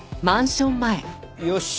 よし。